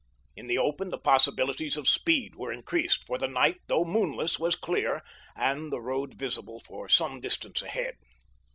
In the open the possibilities of speed were increased, for the night, though moonless, was clear, and the road visible for some distance ahead.